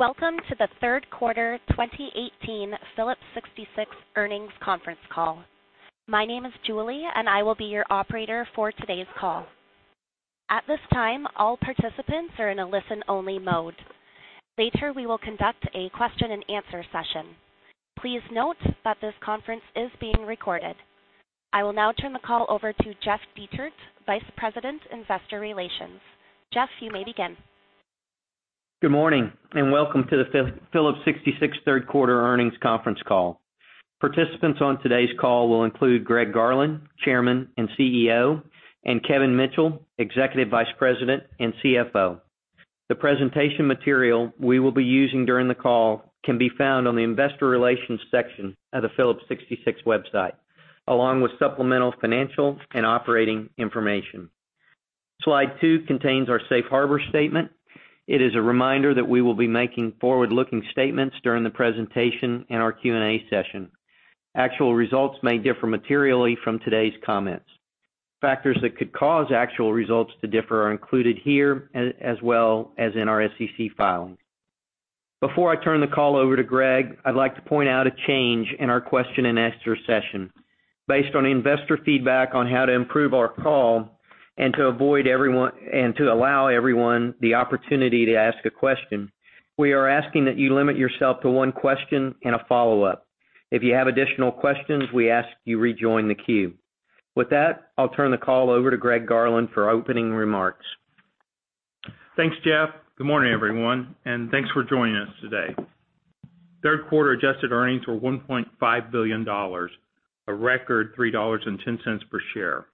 Welcome to the third quarter 2018 Phillips 66 earnings conference call. My name is Julie, and I will be your operator for today's call. At this time, all participants are in a listen-only mode. Later, we will conduct a question and answer session. Please note that this conference is being recorded. I will now turn the call over to Jeff Dietert, Vice President, Investor Relations. Jeff, you may begin. Good morning, and welcome to the Phillips 66 third quarter earnings conference call. Participants on today's call will include Greg Garland, Chairman and CEO, and Kevin Mitchell, Executive Vice President and CFO. The presentation material we will be using during the call can be found on the investor relations section of the Phillips 66 website, along with supplemental financial and operating information. Slide two contains our safe harbor statement. It is a reminder that we will be making forward-looking statements during the presentation and our Q&A session. Actual results may differ materially from today's comments. Factors that could cause actual results to differ are included here, as well as in our SEC filings. Before I turn the call over to Greg, I'd like to point out a change in our question and answer session. Based on investor feedback on how to improve our call and to allow everyone the opportunity to ask a question, we are asking that you limit yourself to one question and a follow-up. If you have additional questions, we ask you rejoin the queue. With that, I'll turn the call over to Greg Garland for opening remarks. Thanks, Jeff. Good morning, everyone, and thanks for joining us today. Third quarter adjusted earnings were $1.5 billion, a record $3.10 per share.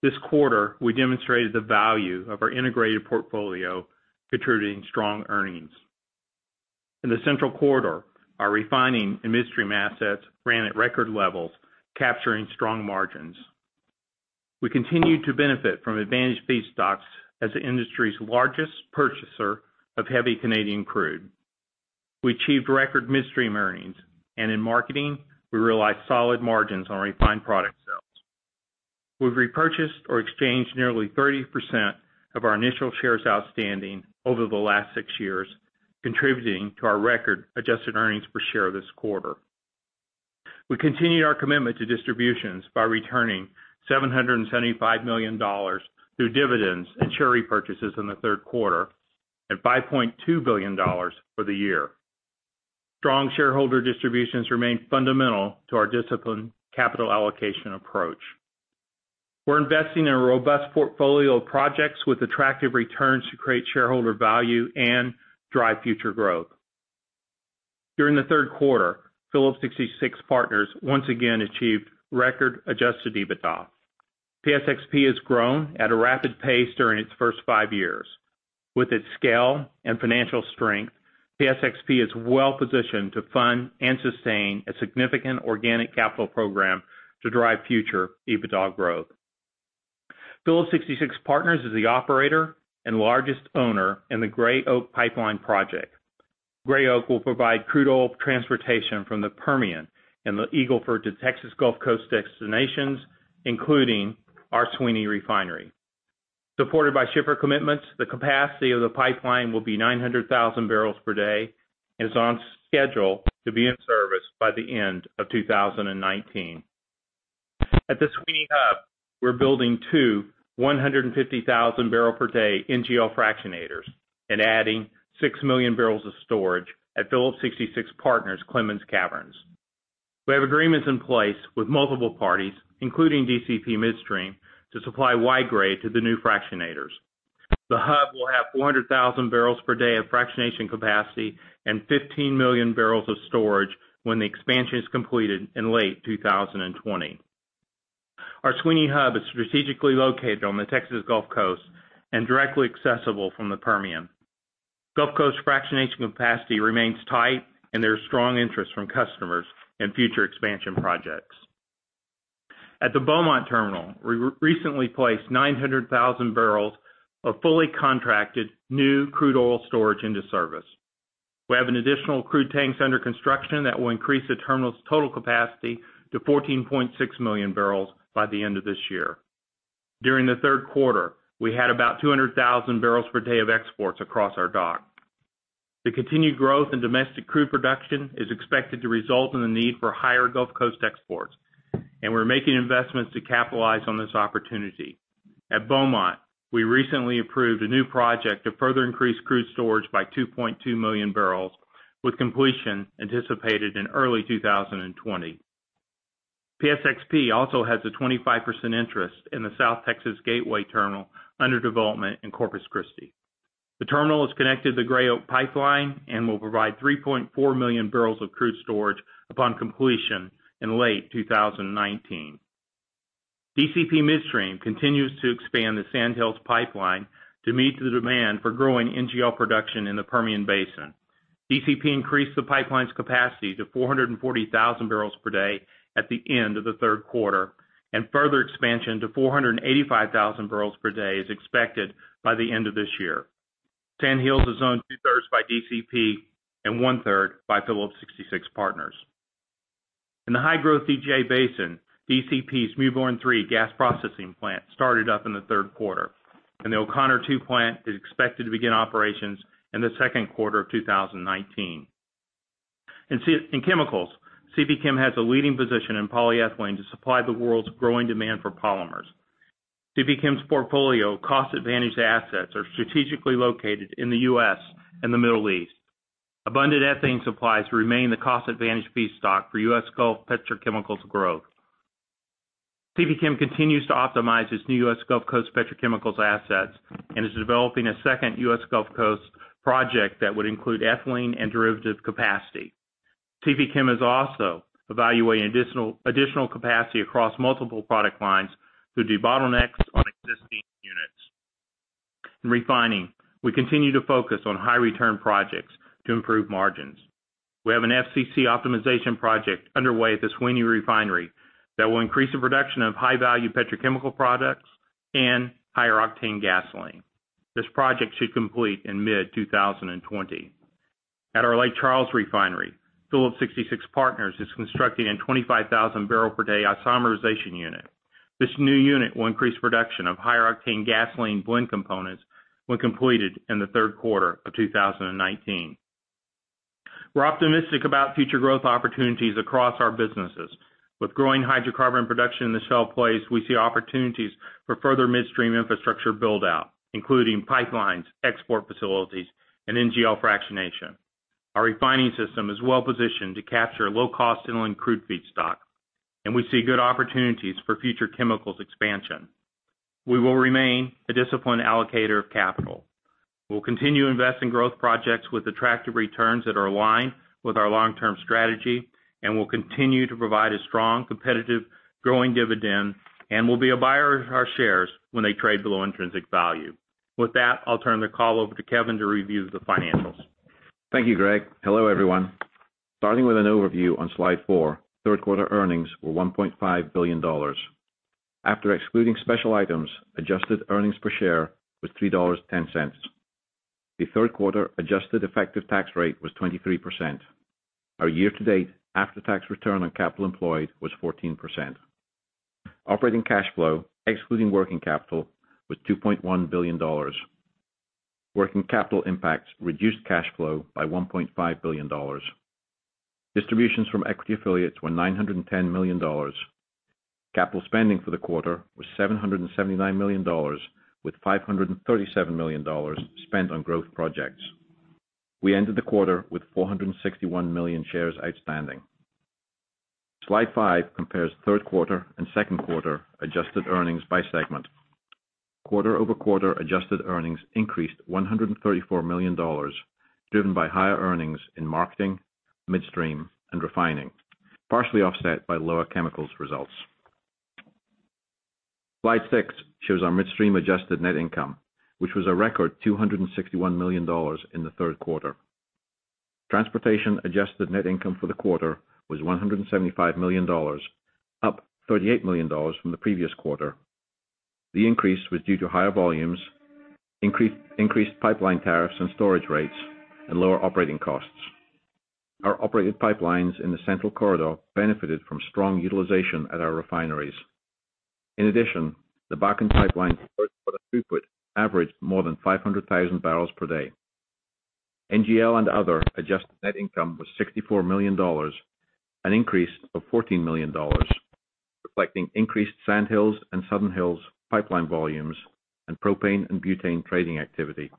This quarter, we demonstrated the value of our integrated portfolio contributing strong earnings. In the Central Corridor, our refining and midstream assets ran at record levels, capturing strong margins. We continued to benefit from advantaged feedstocks as the industry's largest purchaser of heavy Canadian crude. We achieved record midstream earnings, and in marketing, we realized solid margins on refined product sales. We've repurchased or exchanged nearly 30% of our initial shares outstanding over the last six years, contributing to our record adjusted earnings per share this quarter. We continued our commitment to distributions by returning $775 million through dividends and share repurchases in the third quarter and $5.2 billion for the year. Strong shareholder distributions remain fundamental to our disciplined capital allocation approach. We're investing in a robust portfolio of projects with attractive returns to create shareholder value and drive future growth. During the third quarter, Phillips 66 Partners once again achieved record adjusted EBITDA. PSXP has grown at a rapid pace during its first five years. With its scale and financial strength, PSXP is well positioned to fund and sustain a significant organic capital program to drive future EBITDA growth. Phillips 66 Partners is the operator and largest owner in the Gray Oak Pipeline project. Gray Oak will provide crude oil transportation from the Permian and the Eagle Ford to Texas Gulf Coast destinations, including our Sweeny Refinery. Supported by shipper commitments, the capacity of the pipeline will be 900,000 barrels per day, and is on schedule to be in service by the end of 2019. At the Sweeny Hub, we're building two 150,000-barrel-per-day NGL fractionators and adding six million barrels of storage at Phillips 66 Partners' Clemens Caverns. We have agreements in place with multiple parties, including DCP Midstream, to supply Y-grade to the new fractionators. The hub will have 400,000 barrels per day of fractionation capacity and 15 million barrels of storage when the expansion is completed in late 2020. Our Sweeny Hub is strategically located on the Texas Gulf Coast and directly accessible from the Permian. Gulf Coast fractionation capacity remains tight, and there is strong interest from customers in future expansion projects. At the Beaumont terminal, we recently placed 900,000 barrels of fully contracted new crude oil storage into service. We have additional crude tanks under construction that will increase the terminal's total capacity to 14.6 million barrels by the end of this year. During the third quarter, we had about 200,000 barrels per day of exports across our dock. The continued growth in domestic crude production is expected to result in the need for higher Gulf Coast exports, and we're making investments to capitalize on this opportunity. At Beaumont, we recently approved a new project to further increase crude storage by 2.2 million barrels, with completion anticipated in early 2020. PSXP also has a 25% interest in the South Texas Gateway Terminal under development in Corpus Christi. The terminal is connected to the Gray Oak Pipeline and will provide 3.4 million barrels of crude storage upon completion in late 2019. DCP Midstream continues to expand the Sandhills Pipeline to meet the demand for growing NGL production in the Permian Basin. DCP increased the pipeline's capacity to 440,000 barrels per day at the end of the third quarter, and further expansion to 485,000 barrels per day is expected by the end of this year. Sandhills is owned two-thirds by DCP and one-third by Phillips 66 Partners. In the high-growth DJ Basin, DCP's Mewbourne III gas processing plant started up in the third quarter, and the O'Connor II plant is expected to begin operations in the second quarter of 2019. In chemicals, CPChem has a leading position in polyethylene to supply the world's growing demand for polymers. CPChem's portfolio of cost-advantaged assets are strategically located in the U.S. and the Middle East. Abundant ethane supplies remain the cost-advantaged feedstock for U.S. Gulf petrochemicals growth. CPChem continues to optimize its new U.S. Gulf Coast petrochemicals assets and is developing a second U.S. Gulf Coast project that would include ethylene and derivative capacity. CPChem is also evaluating additional capacity across multiple product lines due to bottlenecks on existing units. In refining, we continue to focus on high-return projects to improve margins. We have an FCC optimization project underway at the Sweeny Refinery that will increase the production of high-value petrochemical products and higher-octane gasoline. This project should complete in mid-2020. At our Lake Charles refinery, Phillips 66 Partners is constructing a 25,000-barrel-per-day isomerization unit. This new unit will increase production of higher-octane gasoline blend components when completed in the third quarter of 2019. We're optimistic about future growth opportunities across our businesses. With growing hydrocarbon production in the shale plays, we see opportunities for further midstream infrastructure build-out, including pipelines, export facilities, and NGL fractionation. Our refining system is well-positioned to capture low-cost inland crude feedstock, and we see good opportunities for future chemicals expansion. We will remain a disciplined allocator of capital. We'll continue to invest in growth projects with attractive returns that are aligned with our long-term strategy. We'll continue to provide a strong, competitive, growing dividend. We'll be a buyer of our shares when they trade below intrinsic value. With that, I'll turn the call over to Kevin to review the financials. Thank you, Greg. Hello, everyone. Starting with an overview on slide four, third-quarter earnings were $1.5 billion. After excluding special items, adjusted earnings per share was $3.10. The third-quarter adjusted effective tax rate was 23%. Our year-to-date after-tax return on capital employed was 14%. Operating cash flow, excluding working capital, was $2.1 billion. Working capital impacts reduced cash flow by $1.5 billion. Distributions from equity affiliates were $910 million. Capital spending for the quarter was $779 million, with $537 million spent on growth projects. We ended the quarter with 461 million shares outstanding. Slide five compares third quarter and second quarter adjusted earnings by segment. Quarter-over-quarter adjusted earnings increased $134 million, driven by higher earnings in marketing, midstream, and refining, partially offset by lower chemicals results. Slide six shows our midstream adjusted net income, which was a record $261 million in the third quarter. Transportation adjusted net income for the quarter was $175 million, up $38 million from the previous quarter. The increase was due to higher volumes, increased pipeline tariffs and storage rates, and lower operating costs. Our operated pipelines in the Central Corridor benefited from strong utilization at our refineries. In addition, the Bakken Pipeline third-quarter throughput averaged more than 500,000 barrels per day. NGL and other adjusted net income was $64 million, an increase of $14 million, reflecting increased Sandhills and Southern Hills Pipeline volumes and propane and butane trading activity.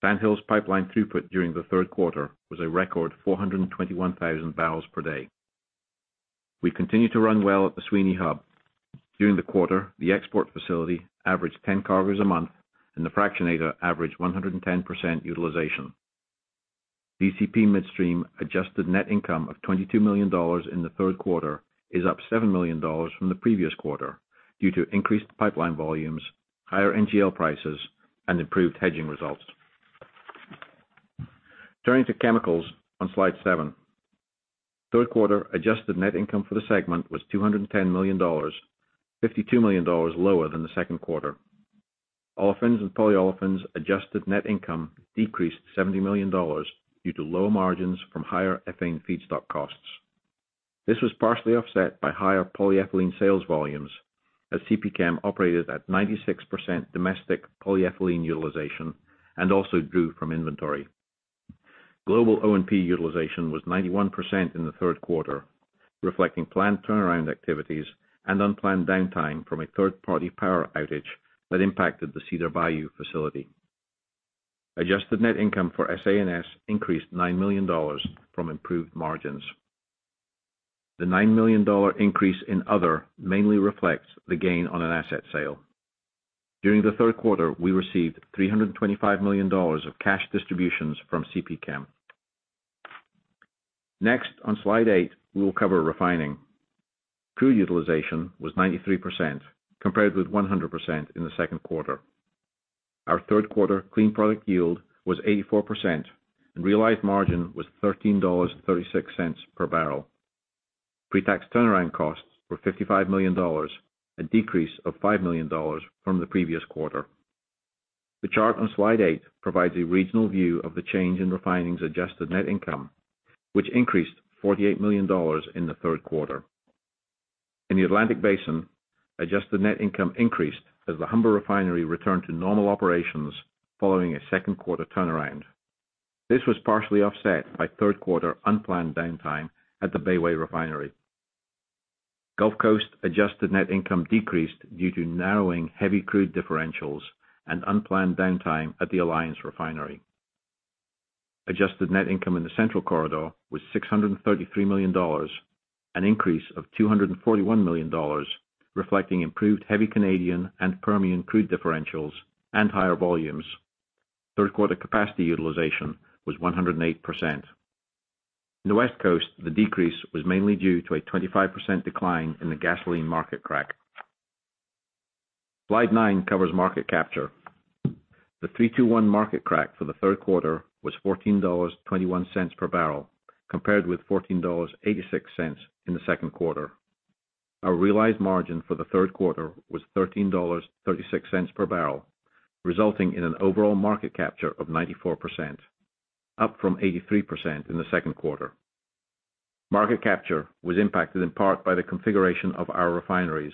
Sandhills Pipeline throughput during the third quarter was a record 421,000 barrels per day. We continue to run well at the Sweeny Hub. During the quarter, the export facility averaged 10 cargos a month, and the fractionator averaged 110% utilization. DCP Midstream adjusted net income of $22 million in the third quarter is up $7 million from the previous quarter due to increased pipeline volumes, higher NGL prices, and improved hedging results. Turning to chemicals on slide seven. Third-quarter adjusted net income for the segment was $210 million, $52 million lower than the second quarter. Olefins and polyolefins adjusted net income decreased $70 million due to low margins from higher ethane feedstock costs. This was partially offset by higher polyethylene sales volumes as CPChem operated at 96% domestic polyethylene utilization and also drew from inventory. Global O&P utilization was 91% in the third quarter, reflecting planned turnaround activities and unplanned downtime from a third-party power outage that impacted the Cedar Bayou facility. Adjusted net income for SA&S increased $9 million from improved margins. The $9 million increase in other mainly reflects the gain on an asset sale. During the third quarter, we received $325 million of cash distributions from CPChem. Next, on slide eight, we will cover refining. Crude utilization was 93%, compared with 100% in the second quarter. Our third-quarter clean product yield was 84%, and realized margin was $13.36 per barrel. Pre-tax turnaround costs were $55 million, a decrease of $5 million from the previous quarter. The chart on slide eight provides a regional view of the change in refining's adjusted net income, which increased $48 million in the third quarter. In the Atlantic Basin, adjusted net income increased as the Humber Refinery returned to normal operations following a second quarter turnaround. This was partially offset by third quarter unplanned downtime at the Bayway Refinery. Gulf Coast adjusted net income decreased due to narrowing heavy crude differentials and unplanned downtime at the Alliance Refinery. Adjusted net income in the Central Corridor was $633 million, an increase of $241 million, reflecting improved heavy Canadian and Permian crude differentials and higher volumes. Third quarter capacity utilization was 108%. In the West Coast, the decrease was mainly due to a 25% decline in the gasoline market crack. Slide nine covers market capture. The 3-2-1 market crack for the third quarter was $14.21 per barrel, compared with $14.86 in the second quarter. Our realized margin for the third quarter was $13.36 per barrel, resulting in an overall market capture of 94%, up from 83% in the second quarter. Market capture was impacted in part by the configuration of our refineries.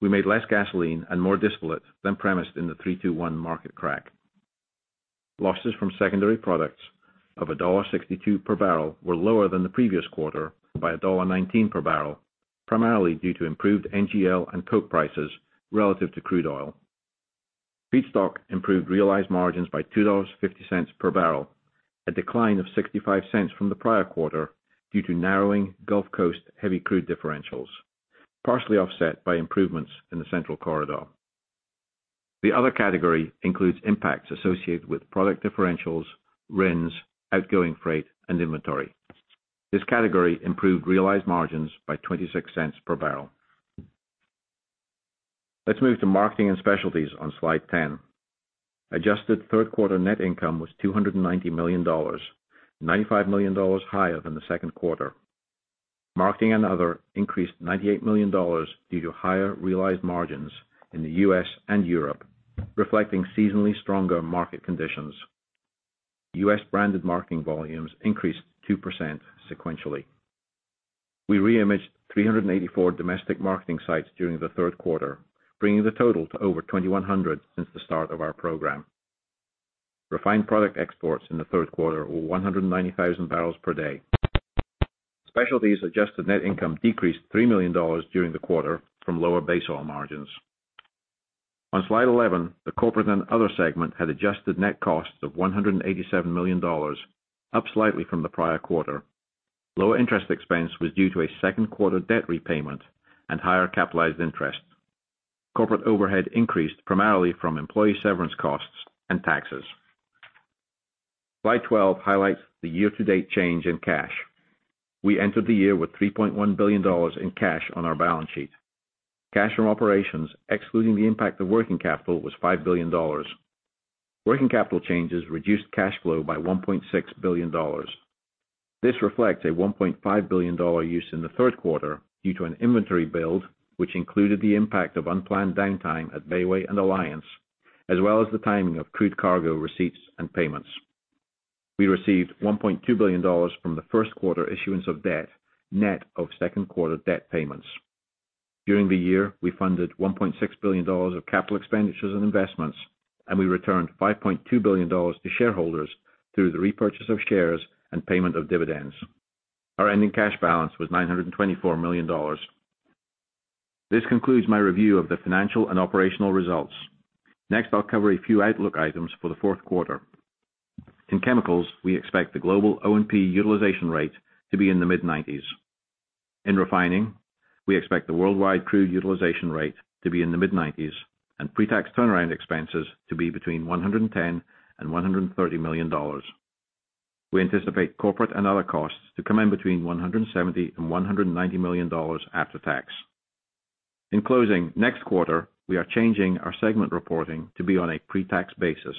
We made less gasoline and more distillate than premised in the 3-2-1 market crack. Losses from secondary products of $1.62 per barrel were lower than the previous quarter by $1.19 per barrel, primarily due to improved NGL and coke prices relative to crude oil. Feedstock improved realized margins by $2.50 per barrel, a decline of $0.65 from the prior quarter due to narrowing Gulf Coast heavy crude differentials, partially offset by improvements in the Central Corridor. The other category includes impacts associated with product differentials, RINs, outgoing freight, and inventory. This category improved realized margins by $0.26 per barrel. Let's move to marketing and specialties on slide 10. Adjusted third quarter net income was $290 million, $95 million higher than the second quarter. Marketing and other increased $98 million due to higher realized margins in the U.S. and Europe, reflecting seasonally stronger market conditions. U.S. branded marketing volumes increased 2% sequentially. We re-imaged 384 domestic marketing sites during the third quarter, bringing the total to over 2,100 since the start of our program. Refined product exports in the third quarter were 190,000 barrels per day. Specialties adjusted net income decreased $3 million during the quarter from lower base oil margins. On slide 11, the corporate and other segment had adjusted net costs of $187 million, up slightly from the prior quarter. Lower interest expense was due to a second quarter debt repayment and higher capitalized interest. Corporate overhead increased primarily from employee severance costs and taxes. Slide 12 highlights the year-to-date change in cash. We entered the year with $3.1 billion in cash on our balance sheet. Cash from operations, excluding the impact of working capital, was $5 billion. Working capital changes reduced cash flow by $1.6 billion. This reflects a $1.5 billion use in the third quarter due to an inventory build, which included the impact of unplanned downtime at Bayway and Alliance, as well as the timing of crude cargo receipts and payments. We received $1.2 billion from the first quarter issuance of debt, net of second quarter debt payments. During the year, we funded $1.6 billion of capital expenditures and investments, we returned $5.2 billion to shareholders through the repurchase of shares and payment of dividends. Our ending cash balance was $924 million. This concludes my review of the financial and operational results. Next, I'll cover a few outlook items for the fourth quarter. In chemicals, we expect the global O&P utilization rate to be in the mid-90s. In refining, we expect the worldwide crude utilization rate to be in the mid-90s and pre-tax turnaround expenses to be between $110 and $130 million. We anticipate corporate and other costs to come in between $170 and $190 million after tax. In closing, next quarter, we are changing our segment reporting to be on a pre-tax basis.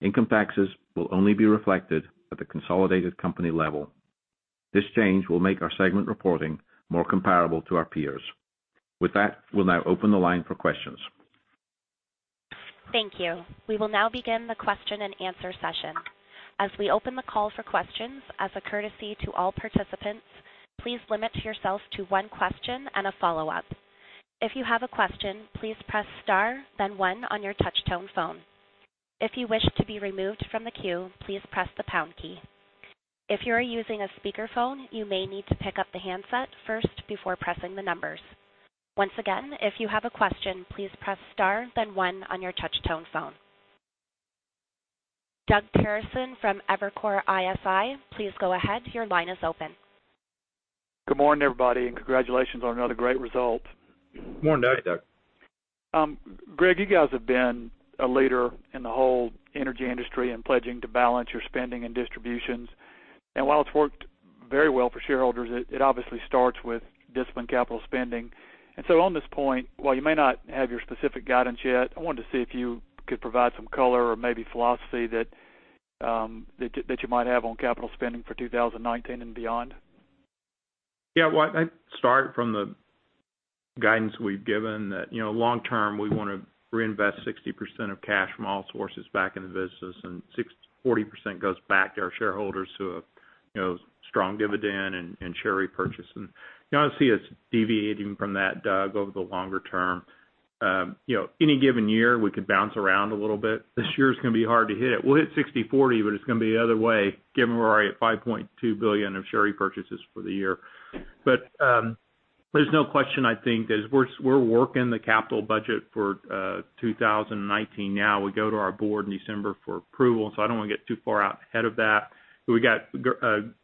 Income taxes will only be reflected at the consolidated company level. This change will make our segment reporting more comparable to our peers. With that, we'll now open the line for questions. Thank you. We will now begin the question and answer session. As we open the call for questions, as a courtesy to all participants, please limit yourself to one question and a follow-up. If you have a question, please press star then one on your touch tone phone. If you wish to be removed from the queue, please press the pound key. If you are using a speakerphone, you may need to pick up the handset first before pressing the numbers. Once again, if you have a question, please press star then one on your touch tone phone. Doug Terreson from Evercore ISI, please go ahead, your line is open. Good morning, everybody. Congratulations on another great result. Good morning, Doug. Greg, you guys have been a leader in the whole energy industry in pledging to balance your spending and distributions. While it's worked very well for shareholders, it obviously starts with disciplined capital spending. On this point, while you may not have your specific guidance yet, I wanted to see if you could provide some color or maybe philosophy that you might have on capital spending for 2019 and beyond. Well, I start from the guidance we've given that long-term, we want to reinvest 60% of cash from all sources back in the business, and 40% goes back to our shareholders who have strong dividend and share repurchase. You don't see us deviating from that, Doug, over the longer term. Any given year, we could bounce around a little bit. This year is going to be hard to hit. We'll hit 60/40, but it's going to be the other way given we're already at $5.2 billion of share repurchases for the year. There's no question, I think, as we're working the capital budget for 2019 now. We go to our board in December for approval, so I don't want to get too far out ahead of that. We got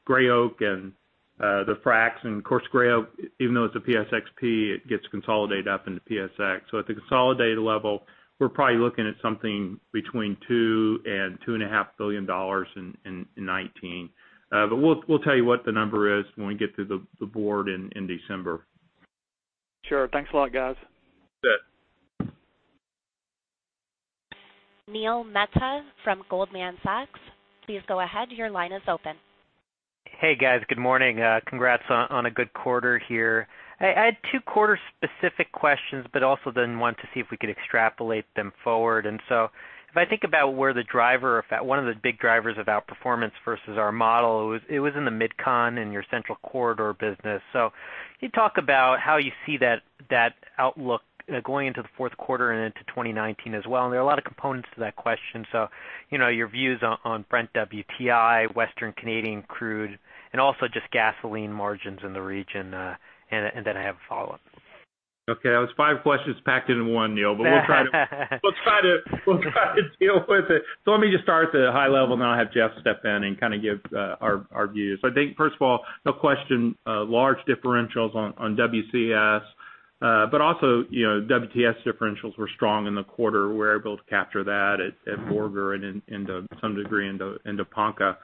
Gray Oak and the fracs, and of course, Gray Oak, even though it's a PSXP, it gets consolidated up into PSX. At the consolidated level, we're probably looking at something between $2 billion and $2.5 billion in 2019. We'll tell you what the number is when we get to the board in December. Sure. Thanks a lot, guys. You bet. Neil Mehta from Goldman Sachs, please go ahead. Your line is open. Hey, guys. Good morning. Congrats on a good quarter here. I had two quarter-specific questions. I want to see if we could extrapolate them forward. If I think about where the driver, or one of the big drivers of outperformance versus our model, it was in the MidCon in your Central Corridor business. Can you talk about how you see that outlook going into the fourth quarter and into 2019 as well? There are a lot of components to that question, so your views on Brent, WTI, Western Canadian crude, and also just gasoline margins in the region. I have a follow-up. Okay. That was five questions packed into one, Neil. We'll try to deal with it. Let me just start at the high level. I'll have Jeff step in and kind of give our views. I think, first of all, no question, large differentials on WCS. WTS differentials were strong in the quarter. We were able to capture that at Borger and to some degree into Ponca.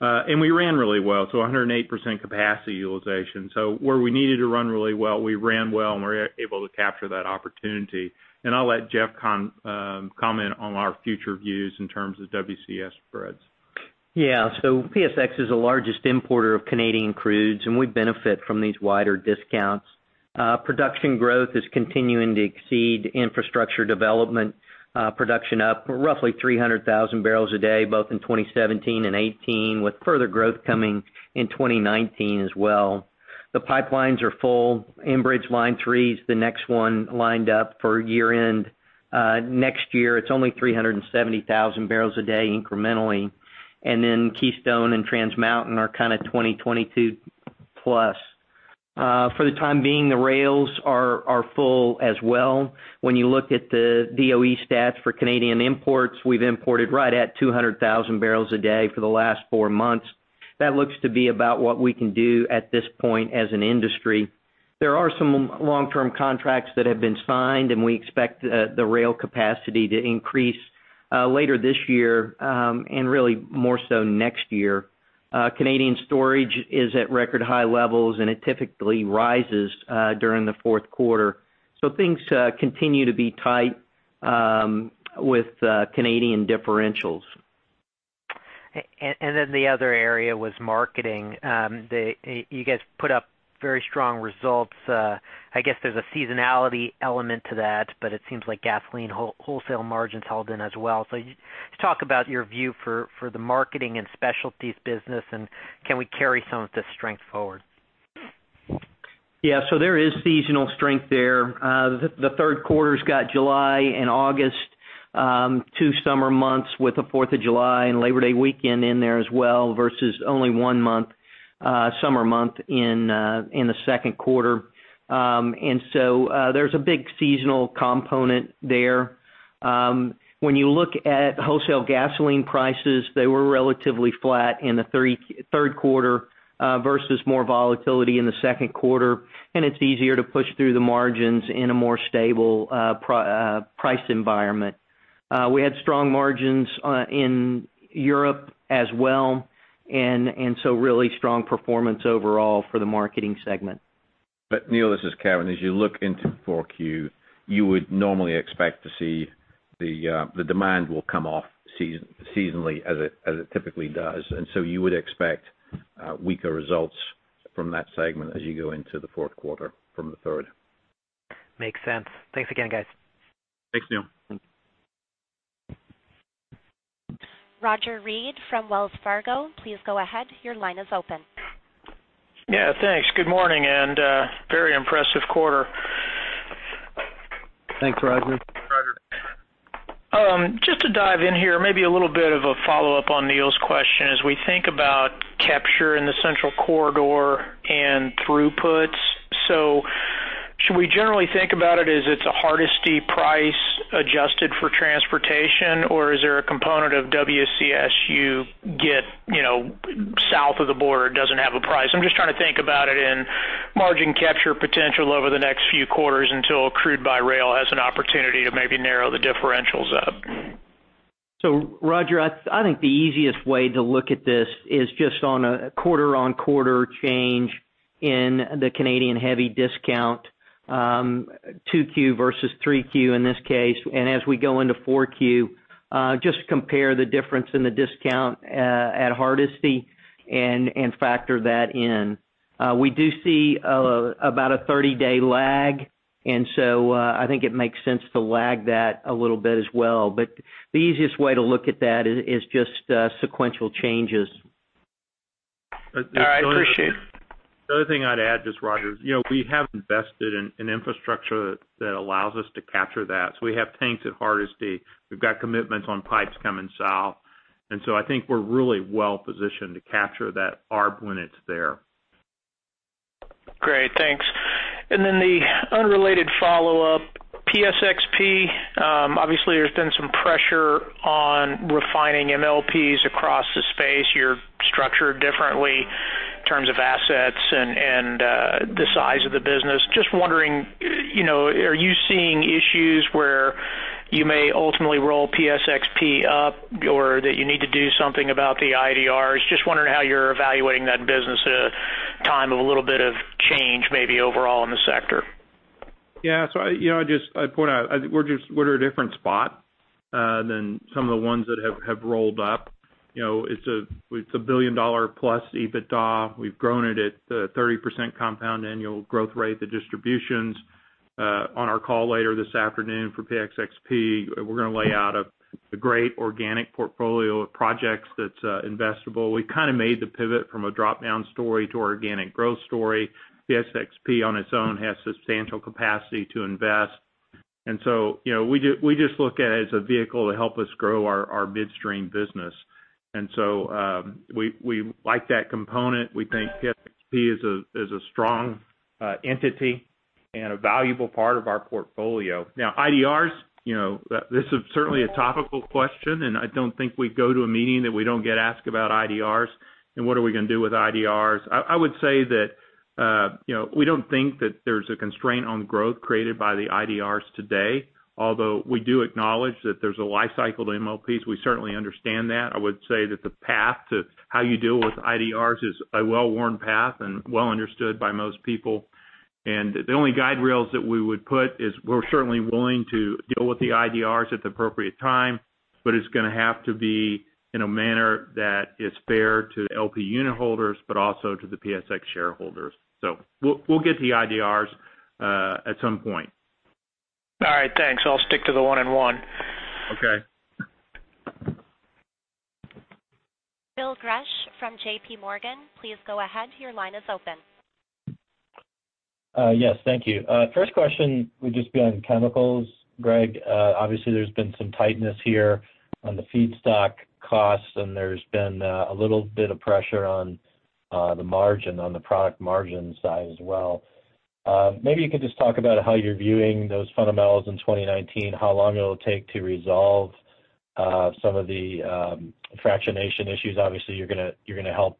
We ran really well, so 108% capacity utilization. Where we needed to run really well, we ran well, and were able to capture that opportunity. I'll let Jeff comment on our future views in terms of WCS spreads. Yeah. PSX is the largest importer of Canadian crudes, and we benefit from these wider discounts. Production growth is continuing to exceed infrastructure development. Production up roughly 300,000 barrels a day, both in 2017 and 2018, with further growth coming in 2019 as well. The pipelines are full. Enbridge Line 3 is the next one lined up for year-end. Next year, it's only 370,000 barrels a day incrementally. Keystone and Trans Mountain are kind of 2022 plus. For the time being, the rails are full as well. When you look at the DOE stats for Canadian imports, we've imported right at 200,000 barrels a day for the last four months. That looks to be about what we can do at this point as an industry. There are some long-term contracts that have been signed. We expect the rail capacity to increase later this year and really more so next year. Canadian storage is at record high levels. It typically rises during the fourth quarter. Things continue to be tight with Canadian differentials. The other area was marketing. You guys put up very strong results. I guess there's a seasonality element to that, but it seems like gasoline wholesale margins held in as well. Just talk about your view for the marketing and specialties business, and can we carry some of this strength forward? Yeah. There is seasonal strength there. The third quarter's got July and August, two summer months with the Fourth of July and Labor Day weekend in there as well, versus only one summer month in the second quarter. There's a big seasonal component there. When you look at wholesale gasoline prices, they were relatively flat in the third quarter versus more volatility in the second quarter, and it's easier to push through the margins in a more stable price environment. We had strong margins in Europe as well, really strong performance overall for the marketing segment. Neil, this is Kevin. As you look into 4Q, you would normally expect to see the demand will come off seasonally as it typically does. You would expect weaker results from that segment as you go into the fourth quarter from the third. Makes sense. Thanks again, guys. Thanks, Neil. Roger Read from Wells Fargo, please go ahead. Your line is open. Yeah, thanks. Good morning, very impressive quarter. Thanks, Roger. Roger. Just to dive in here, maybe a little bit of a follow-up on Neil's question. As we think about capture in the Central Corridor and throughputs, should we generally think about it as it's a Hardisty price adjusted for transportation, or is there a component of WCS you get south of the border, doesn't have a price? I'm just trying to think about it in margin capture potential over the next few quarters until crude by rail has an opportunity to maybe narrow the differentials up. Roger, I think the easiest way to look at this is just on a quarter-on-quarter change in the Canadian heavy discount. 2Q versus 3Q in this case. As we go into 4Q, just compare the difference in the discount at Hardisty and factor that in. We do see about a 30-day lag, and so I think it makes sense to lag that a little bit as well. The easiest way to look at that is just sequential changes. All right. Appreciate it. The other thing I'd add, just Roger, we have invested in infrastructure that allows us to capture that. We have tanks at Hardisty. We've got commitments on pipes coming south. I think we're really well-positioned to capture that ARB when it's there. Great. Thanks. The unrelated follow-up, PSXP, obviously there's been some pressure on refining MLPs across the space. You're structured differently in terms of assets and the size of the business. Just wondering, are you seeing issues where you may ultimately roll PSXP up or that you need to do something about the IDRs? Just wondering how you're evaluating that business at a time of a little bit of change maybe overall in the sector. Yeah. I'd point out, we're at a different spot than some of the ones that have rolled up. It's a billion-dollar-plus EBITDA. We've grown it at a 30% compound annual growth rate, the distributions. On our call later this afternoon for PSXP, we're going to lay out a great organic portfolio of projects that's investable. We kind of made the pivot from a drop-down story to organic growth story. PSXP on its own has substantial capacity to invest. We just look at it as a vehicle to help us grow our midstream business. We like that component. We think PSXP is a strong entity and a valuable part of our portfolio. Now, IDRs, this is certainly a topical question, I don't think we go to a meeting that we don't get asked about IDRs and what are we going to do with IDRs. I would say that we don't think that there's a constraint on growth created by the IDRs today, although we do acknowledge that there's a life cycle to MLPs. We certainly understand that. I would say that the path to how you deal with IDRs is a well-worn path and well understood by most people. The only guide rails that we would put is we're certainly willing to deal with the IDRs at the appropriate time, but it's going to have to be in a manner that is fair to LP unit holders, but also to the PSX shareholders. We'll get the IDRs at some point. All right. Thanks. I'll stick to the one and one. Okay. Phil Gresh from J.P. Morgan, please go ahead. Your line is open. Yes. Thank you. First question would just be on chemicals, Greg. Obviously, there's been some tightness here on the feedstock costs, and there's been a little bit of pressure on the margin, on the product margin side as well. Maybe you could just talk about how you're viewing those fundamentals in 2019, how long it'll take to resolve some of the fractionation issues. Obviously, you're going to help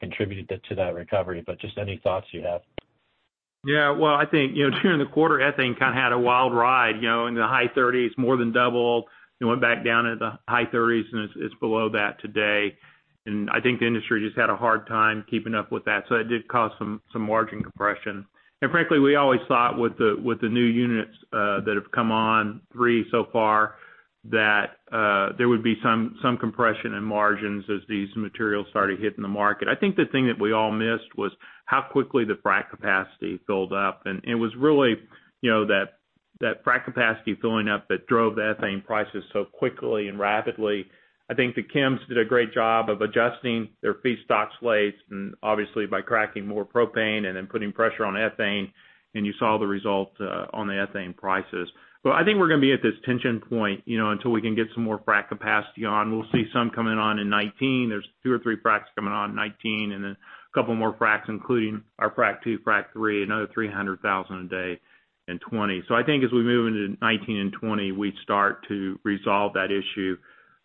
contribute to that recovery, but just any thoughts you have. Yeah. Well, I think during the quarter, ethane kind of had a wild ride. In the high 30s, more than doubled, and went back down into the high 30s, and it's below that today. I think the industry just had a hard time keeping up with that. That did cause some margin compression. Frankly, we always thought with the new units that have come on, three so far, that there would be some compression in margins as these materials started hitting the market. I think the thing that we all missed was how quickly the frac capacity filled up, and it was really that frac capacity filling up that drove ethane prices so quickly and rapidly. I think the chems did a great job of adjusting their feedstock slates, obviously by cracking more propane and then putting pressure on ethane, and you saw the result on the ethane prices. I think we're going to be at this tension point until we can get some more frac capacity on. We'll see some coming on in 2019. There's 2 or 3 fracs coming on in 2019, then a couple more fracs, including our frac 2, frac 3, another 300,000 a day in 2020. I think as we move into 2019 and 2020, we start to resolve that issue around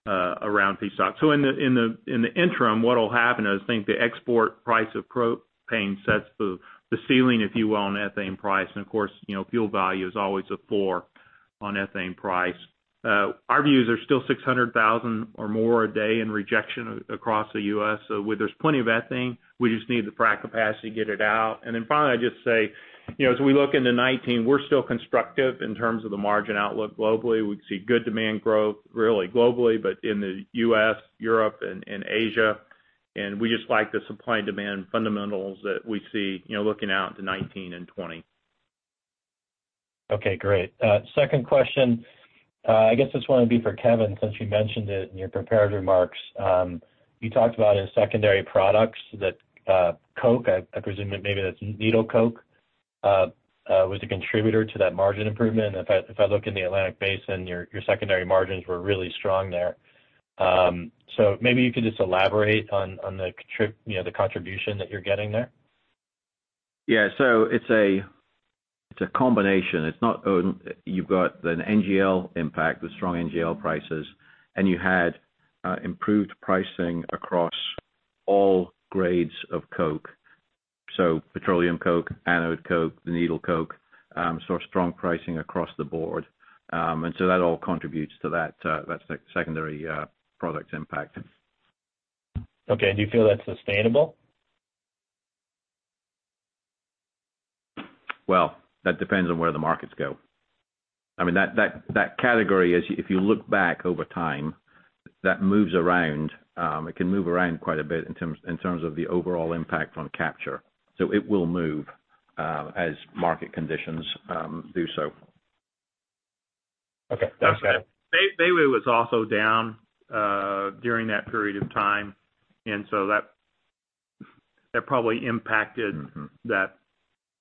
feedstock. In the interim, what'll happen is I think the export price of propane sets the ceiling, if you will, on ethane price, and of course, fuel value is always a floor on ethane price. Our views are still 600,000 or more a day in rejection across the U.S., there's plenty of ethane. We just need the frac capacity to get it out. Finally, I'd just say, as we look into 2019, we're still constructive in terms of the margin outlook globally. We see good demand growth, really globally, but in the U.S., Europe, and Asia. We just like the supply and demand fundamentals that we see looking out into 2019 and 2020. Okay, great. Second question, I guess this one would be for Kevin, since you mentioned it in your prepared remarks. You talked about in secondary products that coke, I presume that maybe that's needle coke, was a contributor to that margin improvement. If I look in the Atlantic Basin, your secondary margins were really strong there. Maybe you could just elaborate on the contribution that you're getting there. Yeah. It's a combination. You've got an NGL impact with strong NGL prices, you had improved pricing across all grades of coke. Petroleum coke, anode coke, the needle coke, saw strong pricing across the board. That all contributes to that secondary product impact. Okay. Do you feel that's sustainable? Well, that depends on where the markets go. That category, if you look back over time, that moves around. It can move around quite a bit in terms of the overall impact on capture. It will move as market conditions do so. Okay. That's better. Bayway was also down during that period of time, that probably impacted the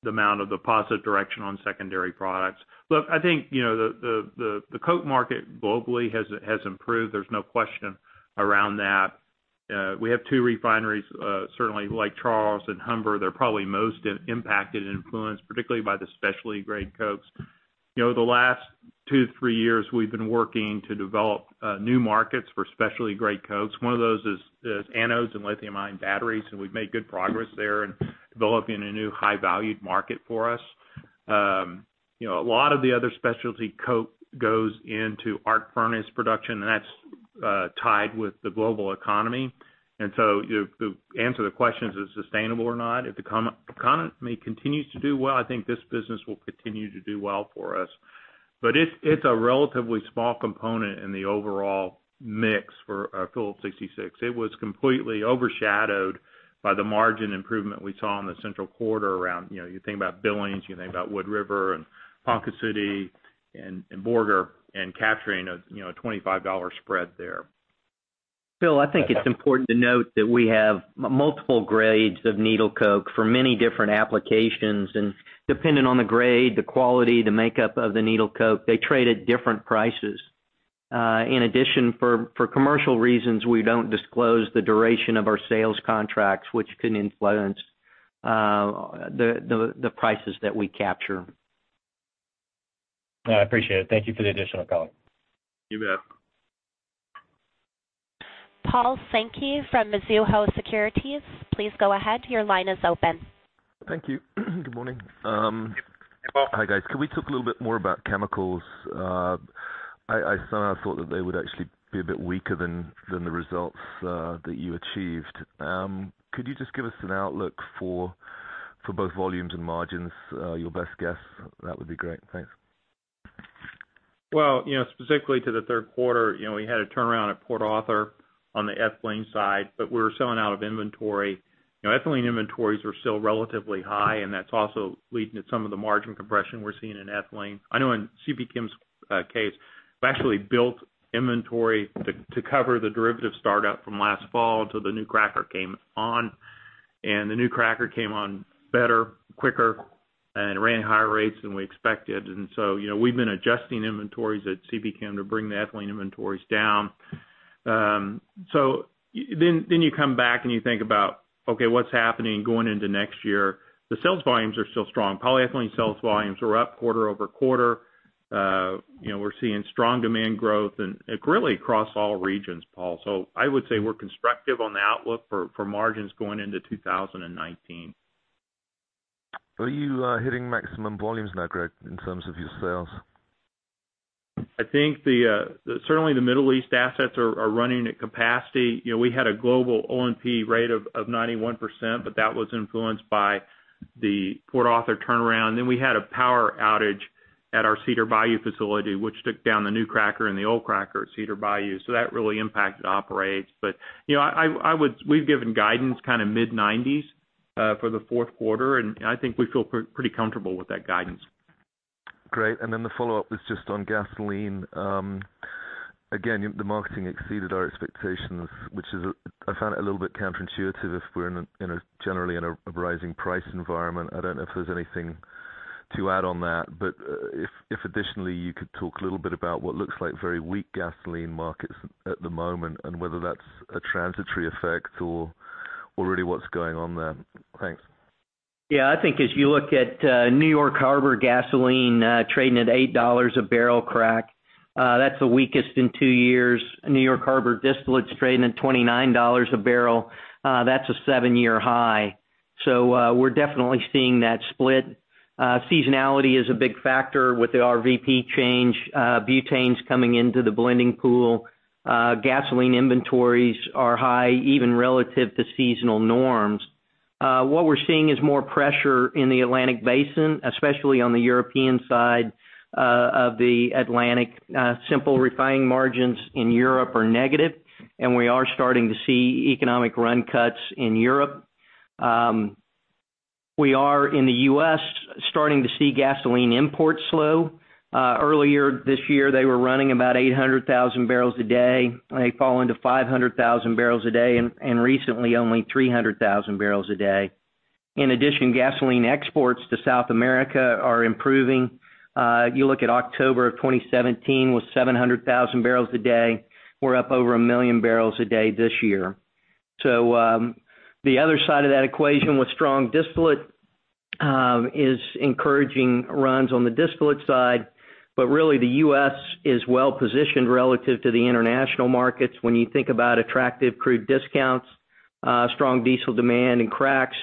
amount of deposit direction on secondary products. Look, I think, the coke market globally has improved. There's no question around that. We have two refineries certainly like Charles and Humber. They're probably most impacted and influenced, particularly by the specialty grade cokes. The last two, three years, we've been working to develop new markets for specialty grade cokes. One of those is anodes and lithium-ion batteries, and we've made good progress there in developing a new high-valued market for us. A lot of the other specialty coke goes into arc furnace production, and that's tied with the global economy. To answer the question, is it sustainable or not? If the economy continues to do well, I think this business will continue to do well for us. It's a relatively small component in the overall mix for Phillips 66. It was completely overshadowed by the margin improvement we saw in the Central Corridor around, you think about Billings, you think about Wood River and Ponca City and Borger and capturing a $25 spread there. Phil, I think it's important to note that we have multiple grades of needle coke for many different applications, and depending on the grade, the quality, the makeup of the needle coke, they trade at different prices. In addition, for commercial reasons, we don't disclose the duration of our sales contracts, which can influence the prices that we capture. I appreciate it. Thank you for the additional color. You bet. Paul Sankey from Mizuho Securities. Please go ahead. Your line is open. Thank you. Good morning. Hey, Paul. Hi, guys. Can we talk a little bit more about chemicals? I somehow thought that they would actually be a bit weaker than the results that you achieved. Could you just give us an outlook for both volumes and margins? Your best guess, that would be great. Thanks. Specifically to the third quarter, we had a turnaround at Port Arthur on the ethylene side, but we were selling out of inventory. Ethylene inventories are still relatively high, and that's also leading to some of the margin compression we're seeing in ethylene. I know in CP Chem's case, we actually built inventory to cover the derivative startup from last fall till the new cracker came on, and the new cracker came on better, quicker, and ran higher rates than we expected. We've been adjusting inventories at CP Chem to bring the ethylene inventories down. You come back and you think about, okay, what's happening going into next year. The sales volumes are still strong. Polyethylene sales volumes are up quarter-over-quarter. We're seeing strong demand growth and really across all regions, Paul. I would say we're constructive on the outlook for margins going into 2019. Are you hitting maximum volumes now, Greg, in terms of your sales? I think certainly the Middle East assets are running at capacity. We had a global O&P rate of 91%, but that was influenced by the Port Arthur turnaround. We had a power outage at our Cedar Bayou facility, which took down the new cracker and the old cracker at Cedar Bayou. That really impacted operates. We've given guidance mid-90s for the fourth quarter, and I think we feel pretty comfortable with that guidance. Great. The follow-up was just on gasoline. Again, the marketing exceeded our expectations, which I found it a little bit counterintuitive if we're generally in a rising price environment. I don't know if there's anything to add on that. If additionally, you could talk a little bit about what looks like very weak gasoline markets at the moment, and whether that's a transitory effect or really what's going on there. Thanks. Yeah. I think as you look at New York Harbor gasoline trading at $8 a barrel crack, that's the weakest in two years. New York Harbor distillate is trading at $29 a barrel. That's a seven-year high. We're definitely seeing that split. Seasonality is a big factor with the RVP change. Butane's coming into the blending pool. Gasoline inventories are high, even relative to seasonal norms. What we're seeing is more pressure in the Atlantic Basin, especially on the European side of the Atlantic. Simple refining margins in Europe are negative. We are starting to see economic run cuts in Europe. We are in the U.S. starting to see gasoline imports slow. Earlier this year, they were running about 800,000 barrels a day. They've fallen to 500,000 barrels a day, and recently only 300,000 barrels a day. In addition, gasoline exports to South America are improving. You look at October of 2017 with 700,000 barrels a day. We're up over 1 million barrels a day this year. The other side of that equation with strong distillate is encouraging runs on the distillate side. Really, the U.S. is well-positioned relative to the international markets when you think about attractive crude discounts, strong diesel demand, and cracks.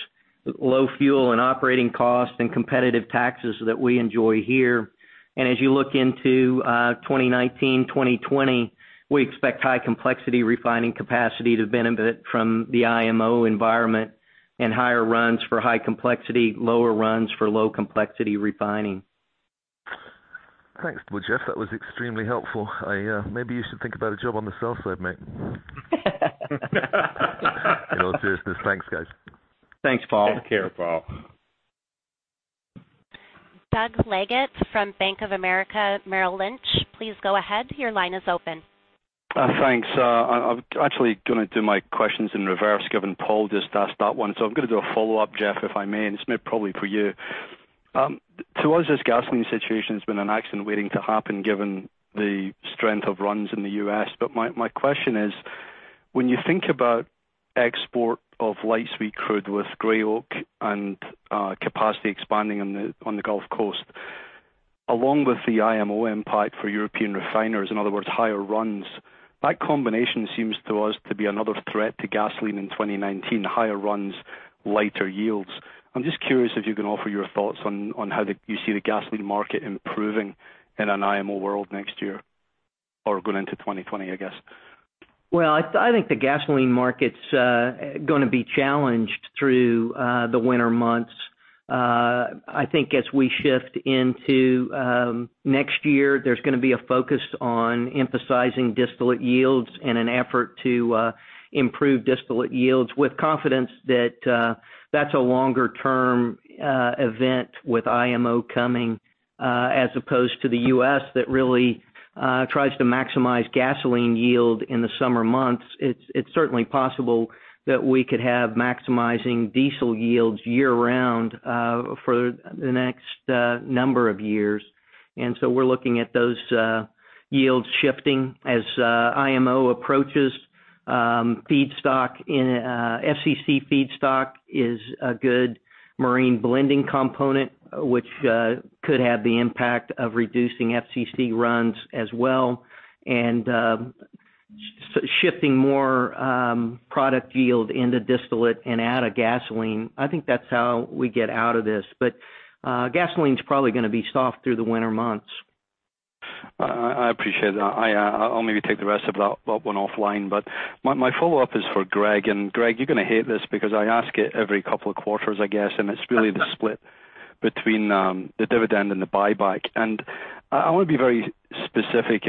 Low fuel and operating costs and competitive taxes that we enjoy here. As you look into 2019, 2020, we expect high complexity refining capacity to benefit from the IMO environment and higher runs for high complexity, lower runs for low complexity refining. Thanks. Well, Jeff, that was extremely helpful. Maybe you should think about a job on the sell side, mate. In all seriousness, thanks, guys. Thanks, Paul. Take care, Paul. Doug Leggate from Bank of America Merrill Lynch, please go ahead. Your line is open. Thanks. I'm actually going to do my questions in reverse, given Paul just asked that one. I'm going to do a follow-up, Jeff, if I may, and this is maybe probably for you. To us, this gasoline situation has been an accident waiting to happen given the strength of runs in the U.S. My question is, when you think about export of light sweet crude with Gray Oak and capacity expanding on the Gulf Coast, along with the IMO impact for European refiners, in other words, higher runs, that combination seems to us to be another threat to gasoline in 2019. Higher runs, lighter yields. I'm just curious if you can offer your thoughts on how you see the gasoline market improving in an IMO world next year or going into 2020, I guess. I think the gasoline market's going to be challenged through the winter months. I think as we shift into next year, there's going to be a focus on emphasizing distillate yields in an effort to improve distillate yields with confidence that's a longer-term event with IMO coming, as opposed to the U.S. that really tries to maximize gasoline yield in the summer months. It's certainly possible that we could have maximizing diesel yields year-round for the next number of years. We're looking at those yields shifting as IMO approaches. FCC feedstock is a good marine blending component, which could have the impact of reducing FCC runs as well and shifting more product yield into distillate and out of gasoline. I think that's how we get out of this. Gasoline's probably going to be soft through the winter months. I appreciate that. I'll maybe take the rest of that one offline. My follow-up is for Greg, you're going to hate this because I ask it every couple of quarters, I guess, it's really the split between the dividend and the buyback. I want to be very specific,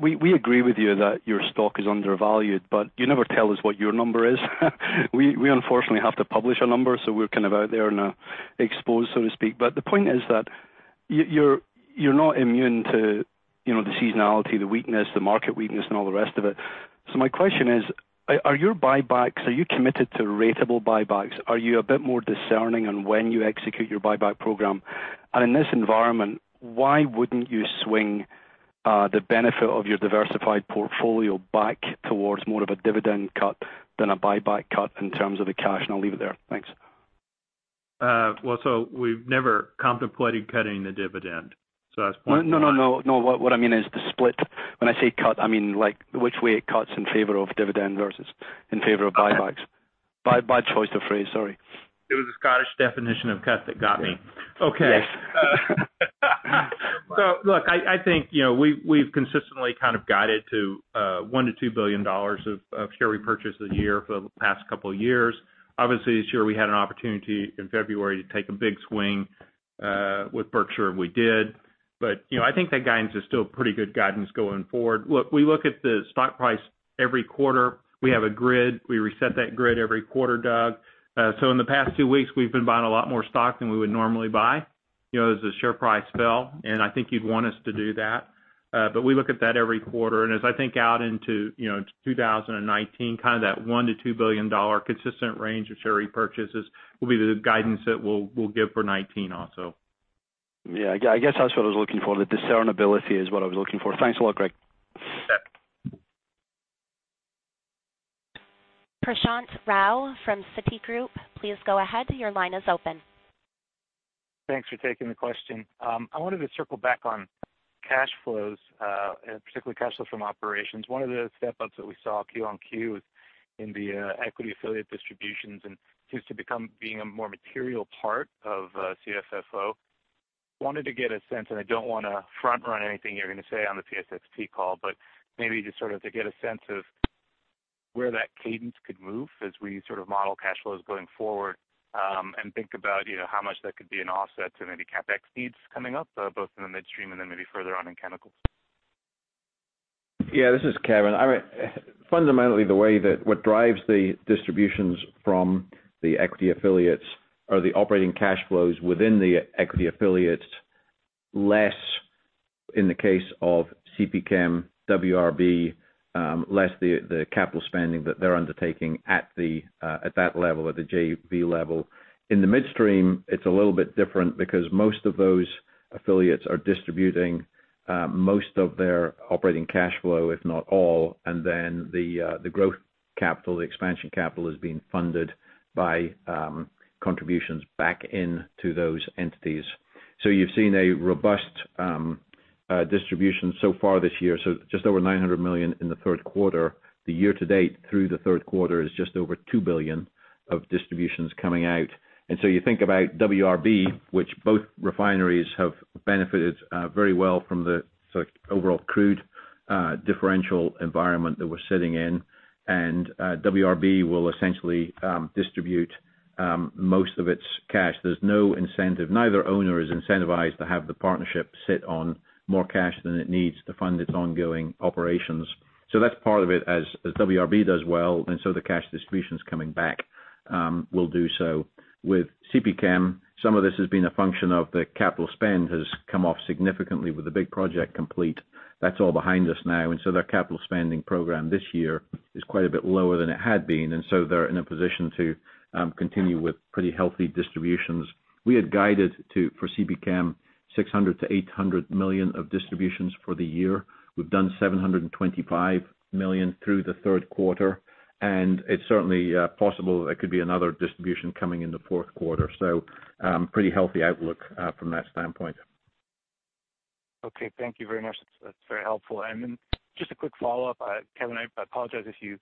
we agree with you that your stock is undervalued, you never tell us what your number is. We unfortunately have to publish a number, so we're kind of out there and exposed, so to speak. The point is that you're not immune to the seasonality, the weakness, the market weakness and all the rest of it. My question is, are your buybacks, are you committed to ratable buybacks? Are you a bit more discerning on when you execute your buyback program? In this environment, why wouldn't you swing the benefit of your diversified portfolio back towards more of a dividend cut than a buyback cut in terms of the cash? I'll leave it there. Thanks. We've never contemplated cutting the dividend. That's point one. No, what I mean is the split. When I say cut, I mean like which way it cuts in favor of dividend versus in favor of buybacks. Bad choice of phrase, sorry. It was the Scottish definition of cut that got me. Yeah. Okay. Look, I think we've consistently kind of guided to $1 billion-$2 billion of share repurchase a year for the past couple of years. Obviously, this year, we had an opportunity in February to take a big swing. With Berkshire, we did. I think that guidance is still pretty good guidance going forward. Look, we look at the stock price every quarter. We have a grid. We reset that grid every quarter, Doug. In the past two weeks, we've been buying a lot more stock than we would normally buy. As the share price fell, and I think you'd want us to do that. We look at that every quarter. As I think out into 2019, kind of that $1 billion-$2 billion consistent range of share repurchases will be the guidance that we'll give for 2019 also. Yeah, I guess that's what I was looking for. The discernibility is what I was looking for. Thanks a lot, Greg. Yep. Prashant Rao from Citigroup, please go ahead. Your line is open. Thanks for taking the question. I wanted to circle back on cash flows, and particularly cash flow from operations. One of the step-ups that we saw Q on Q is in the equity affiliate distributions and seems to become being a more material part of CFFO. Wanted to get a sense, I don't want to front-run anything you're going to say on the PSXP call, maybe just sort of to get a sense of where that cadence could move as we sort of model cash flows going forward, and think about how much that could be an offset to maybe CapEx needs coming up, both in the midstream and then maybe further on in chemicals. This is Kevin. Fundamentally, the way that what drives the distributions from the equity affiliates are the operating cash flows within the equity affiliates, less in the case of CPChem, WRB, less the capital spending that they're undertaking at that level, at the JV level. In the midstream, it's a little bit different because most of those affiliates are distributing most of their operating cash flow, if not all, and then the growth capital, the expansion capital is being funded by contributions back into those entities. You've seen a robust distribution so far this year. Just over $900 million in the third quarter. The year to date through the third quarter is just over $2 billion of distributions coming out. You think about WRB, which both refineries have benefited very well from the overall crude differential environment that we're sitting in. WRB will essentially distribute most of its cash. There's no incentive. Neither owner is incentivized to have the partnership sit on more cash than it needs to fund its ongoing operations. That's part of it, as WRB does well, the cash distributions coming back will do so. With CP Chem, some of this has been a function of the capital spend has come off significantly with the big project complete. That's all behind us now. Their capital spending program this year is quite a bit lower than it had been, they're in a position to continue with pretty healthy distributions. We had guided for CP Chem $600 million-$800 million of distributions for the year. We've done $725 million through the third quarter, and it's certainly possible there could be another distribution coming in the fourth quarter. Pretty healthy outlook from that standpoint. Okay. Thank you very much. That's very helpful. Just a quick follow-up. Kevin, I apologize if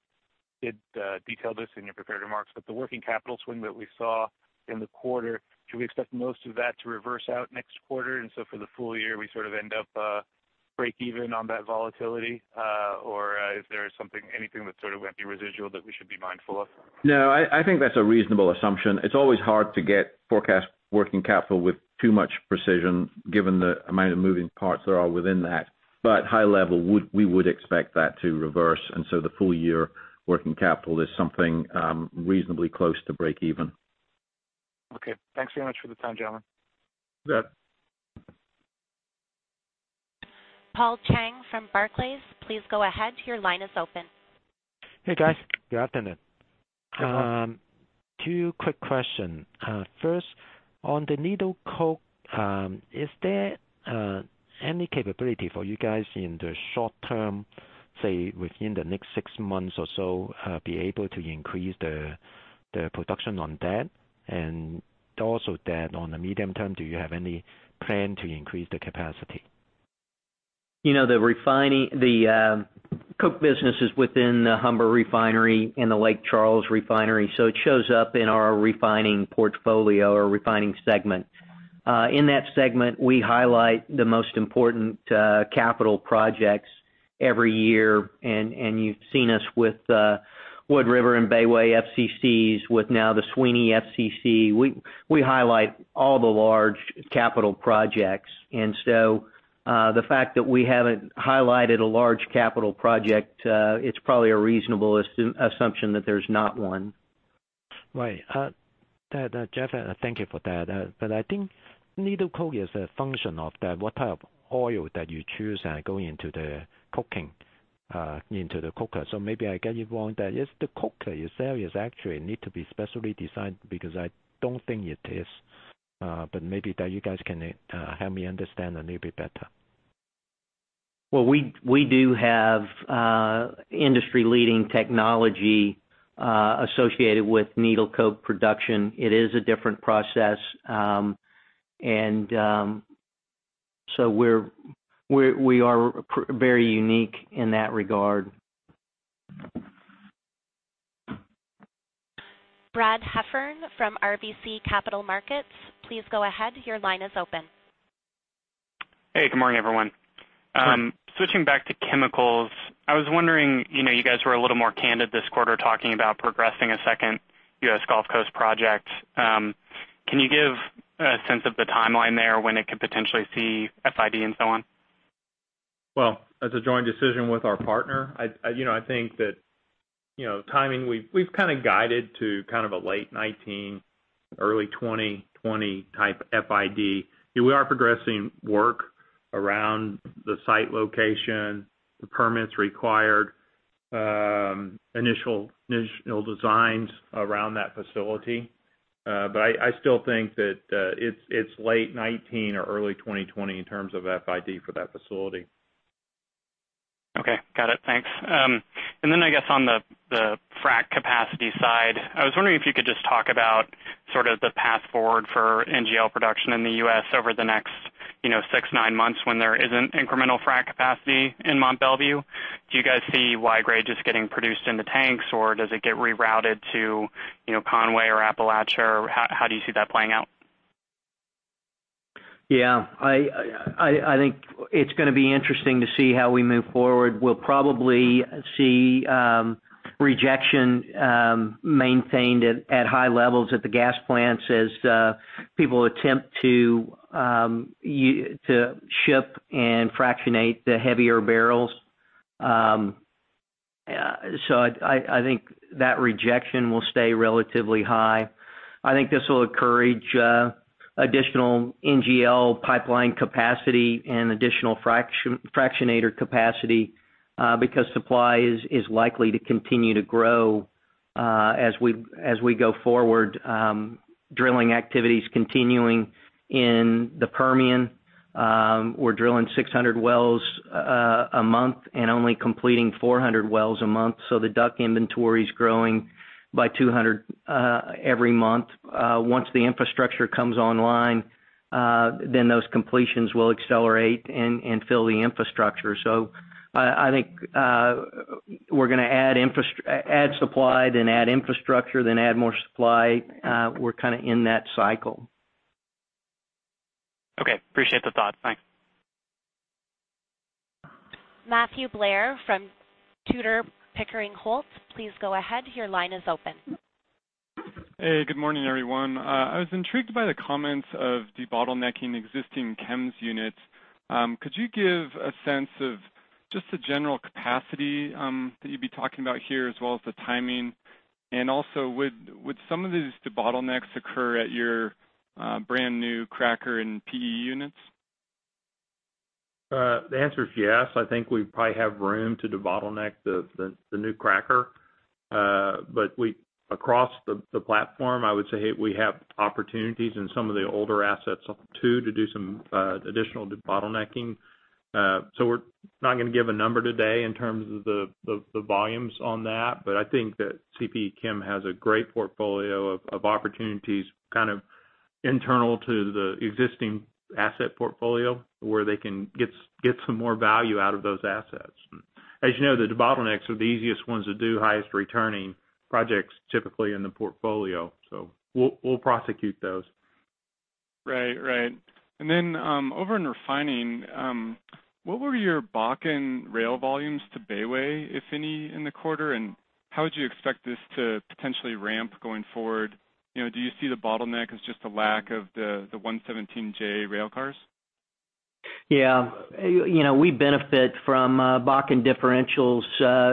you did detail this in your prepared remarks, the working capital swing that we saw in the quarter, should we expect most of that to reverse out next quarter? For the full year, we sort of end up breakeven on that volatility? Is there anything that sort of would be residual that we should be mindful of? No, I think that's a reasonable assumption. It's always hard to get forecast working capital with too much precision, given the amount of moving parts there are within that. High level, we would expect that to reverse, and so the full-year working capital is something reasonably close to breakeven. Okay. Thanks very much for the time, gentlemen. You bet. Paul Cheng from Barclays, please go ahead. Your line is open. Hey, guys. Good afternoon. Hi, Paul. Two quick questions. First, on the needle coke, is there any capability for you guys in the short term, say, within the next six months or so, be able to increase the production on that? Also, on the medium term, do you have any plan to increase the capacity? The coke business is within the Humber Refinery and the Lake Charles Refinery, so it shows up in our refining portfolio or refining segment. In that segment, we highlight the most important capital projects every year, and you've seen us with Wood River and Bayway FCCs, with now the Sweeny FCC. We highlight all the large capital projects. The fact that we haven't highlighted a large capital project, it's probably a reasonable assumption that there's not one. Right. Jeff, thank you for that. I think needle coke is a function of that what type of oil that you choose going into the coker. Maybe I get it wrong that is the coker itself is actually need to be specially designed because I don't think it is. Maybe that you guys can help me understand a little bit better. Well, we do have industry-leading technology associated with needle coke production. It is a different process. We are very unique in that regard. Brad Heffern from RBC Capital Markets, please go ahead. Your line is open. Hey, good morning, everyone. Good morning. Switching back to chemicals, I was wondering, you guys were a little more candid this quarter talking about progressing a second U.S. Gulf Coast project. Can you give a sense of the timeline there when it could potentially see FID and so on? Well, that's a joint decision with our partner. I think that timing, we've kind of guided to a late 2019, early 2020 type FID. We are progressing work around the site location, the permits required, initial designs around that facility. I still think that it's late 2019 or early 2020 in terms of FID for that facility. Okay. Got it. Thanks. Then I guess on the frack capacity side, I was wondering if you could just talk about sort of the path forward for NGL production in the U.S. over the next six, nine months when there isn't incremental frack capacity in Mont Belvieu. Do you guys see Y-grade just getting produced into tanks, or does it get rerouted to Conway or Appalachia, or how do you see that playing out? Yeah. I think it's going to be interesting to see how we move forward. We'll probably see rejection maintained at high levels at the gas plants as people attempt to ship and fractionate the heavier barrels. I think that rejection will stay relatively high. I think this will encourage additional NGL pipeline capacity and additional fractionator capacity, because supply is likely to continue to grow As we go forward, drilling activity is continuing in the Permian. We're drilling 600 wells a month and only completing 400 wells a month. The DUC inventory is growing by 200 every month. Once the infrastructure comes online, then those completions will accelerate and fill the infrastructure. I think we're going to add supply, then add infrastructure, then add more supply. We're kind of in that cycle. Okay. Appreciate the thought. Bye. Matthew Blair from Tudor, Pickering Holt. Please go ahead. Your line is open. Hey, good morning, everyone. I was intrigued by the comments of debottlenecking existing chems units. Could you give a sense of just the general capacity that you'd be talking about here, as well as the timing? And also would some of these bottlenecks occur at your brand-new cracker and PE units? The answer is yes. I think we probably have room to debottleneck the new cracker. Across the platform, I would say we have opportunities in some of the older assets too, to do some additional debottlenecking. We're not going to give a number today in terms of the volumes on that, but I think that CP Chem has a great portfolio of opportunities, kind of internal to the existing asset portfolio, where they can get some more value out of those assets. As you know, the bottlenecks are the easiest ones to do, highest returning projects typically in the portfolio. We'll prosecute those. Right. Then, over in refining, what were your Bakken rail volumes to Bayway, if any, in the quarter, and how would you expect this to potentially ramp going forward? Do you see the bottleneck as just a lack of the 117J rail cars? Yeah. We benefit from Bakken differentials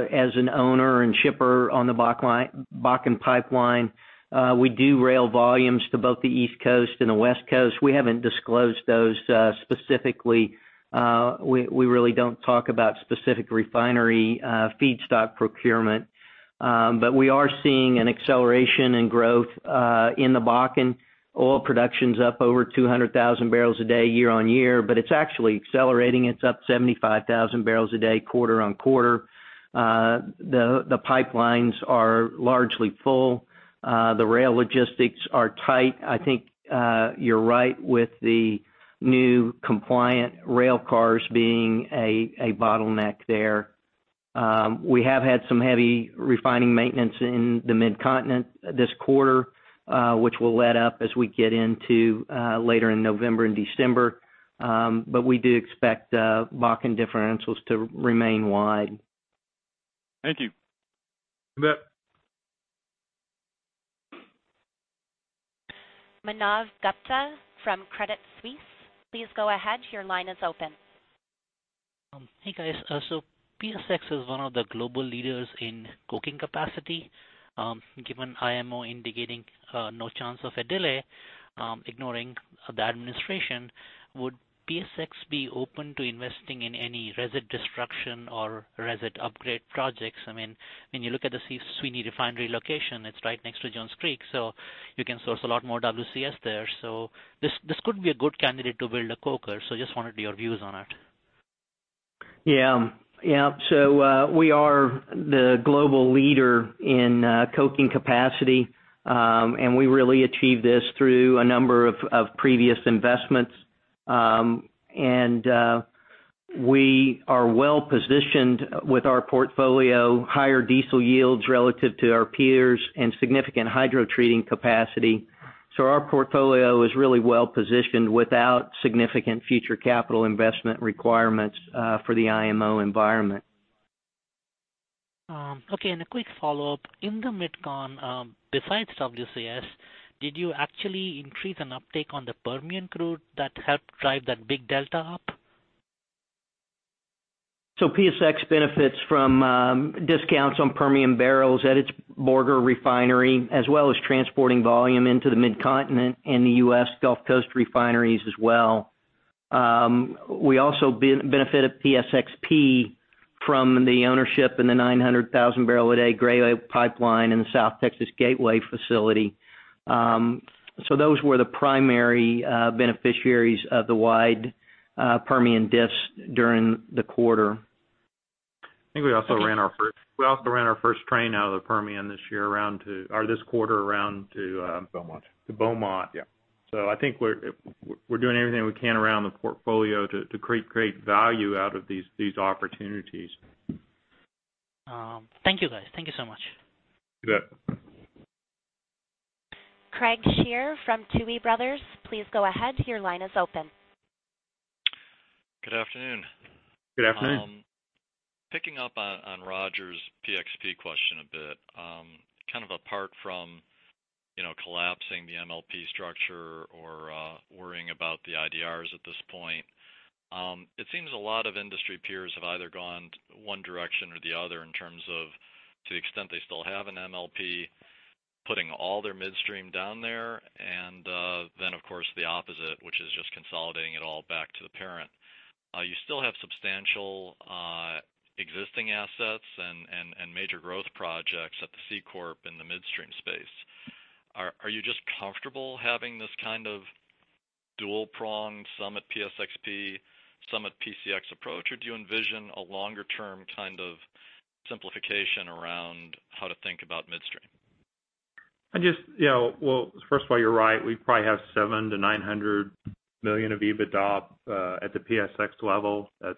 as an owner and shipper on the Bakken Pipeline. We do rail volumes to both the East Coast and the West Coast. We haven't disclosed those specifically. We really don't talk about specific refinery feedstock procurement. We are seeing an acceleration in growth in the Bakken. Oil production's up over 200,000 barrels a day year-on-year, but it's actually accelerating. It's up 75,000 barrels a day quarter-on-quarter. The pipelines are largely full. The rail logistics are tight. I think you're right with the new compliant rail cars being a bottleneck there. We have had some heavy refining maintenance in the Mid-Continent this quarter, which will let up as we get into later in November and December. We do expect Bakken differentials to remain wide. Thank you. You bet. Manav Gupta from Credit Suisse. Please go ahead. Your line is open. Hey, guys. PSX is one of the global leaders in coking capacity. Given IMO indicating no chance of a delay, ignoring the administration, would PSX be open to investing in any resid destruction or resid upgrade projects? When you look at the Sweeny Refinery location, it's right next to Jones Creek, you can source a lot more WCS there. This could be a good candidate to build a coker. Just wanted your views on it. Yeah. We are the global leader in coking capacity, we really achieved this through a number of previous investments. We are well-positioned with our portfolio, higher diesel yields relative to our peers and significant hydrotreating capacity. Our portfolio is really well-positioned without significant future capital investment requirements for the IMO environment. Okay. A quick follow-up. In the Mid-Con, besides WCS, did you actually increase an uptake on the Permian crude that helped drive that big delta up? PSX benefits from discounts on Permian barrels at its Borger Refinery, as well as transporting volume into the Midcontinent and the U.S. Gulf Coast refineries as well. We also benefit at PSXP from the ownership in the 900,000 barrel a day Gray Oak Pipeline in the South Texas Gateway Terminal. Those were the primary beneficiaries of the wide Permian diffs during the quarter. I think we also ran our first train out of the Permian this quarter around to- Beaumont. To Beaumont. Yeah. I think we're doing everything we can around the portfolio to create great value out of these opportunities. Thank you, guys. Thank you so much. You bet. Craig Shere from Tuohy Brothers. Please go ahead. Your line is open. Good afternoon. Good afternoon. Picking up on Roger's PSXP question a bit. Kind of apart from collapsing the MLP structure or worrying about the IDRs at this point. It seems a lot of industry peers have either gone one direction or the other in terms of, to the extent they still have an MLP, putting all their midstream down there, and then of course the opposite, which is just consolidating it all back to the parent. You still have substantial existing assets and major growth projects at the C corp in the midstream space. Are you just comfortable having this kind of dual pronged, some at PSXP, some at PSX approach? Or do you envision a longer-term kind of simplification around how to think about midstream? First of all, you're right. We probably have $700 million-$900 million of EBITDA at the PSX level. That's